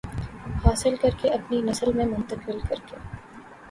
حاصل کر کے اپنی نسل میں منتقل کر کے